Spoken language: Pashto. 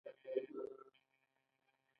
چیساپیک کانال ددې دورې دریم جوړ شوی کانال و.